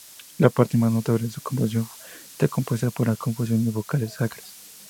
La parte más notable de su producción está compuesta por las composiciones vocales sacras.